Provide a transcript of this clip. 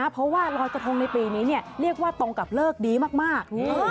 เพราะว่ารอยกระทงในปีนี้เรียกว่าตรงกับเลิกดีมาก